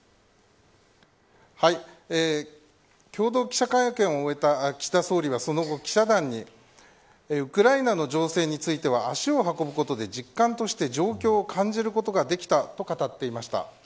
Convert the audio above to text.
共同記者会見を終えた岸田総理は、その後、記者団にウクライナの情勢については足を運ぶことで、実感として状況を感じることができたと語っていました。